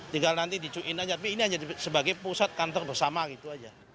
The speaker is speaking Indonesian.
tinggal nanti dicuitin aja tapi ini hanya sebagai pusat kantor bersama gitu aja